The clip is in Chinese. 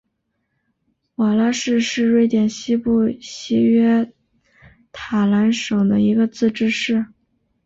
瓦拉市是瑞典西部西约塔兰省的一个自治市。